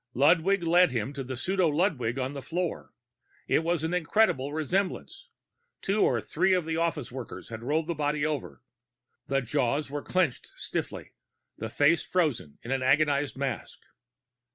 Ludwig led him to the pseudo Ludwig on the floor. It was an incredible resemblance. Two or three of the office workers had rolled the body over; the jaws were clenched stiffly, the face frozen in an agonized mask.